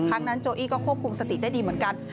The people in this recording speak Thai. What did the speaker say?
ครั้งนั้นโจอี้ก็ควบคุมสติได้ดีเหมือนกัน